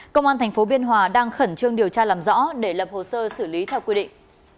công an tp biên hòa đang khẩn trương điều tra làm rõ để lập hồ sơ xử lý theo quy định